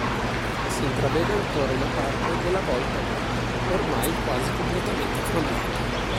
Si intravede ancora una parte della volta a botte ormai quasi completamente crollata.